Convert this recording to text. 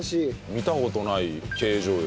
見た事ない形状よ。